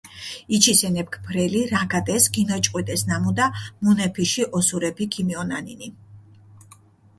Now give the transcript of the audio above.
იჩის ენეფქ ბრელი, რაგადეს, გინოჭყვიდეს ნამუდა, მუნეფიში ოსურეფი ქიმიჸონანინი.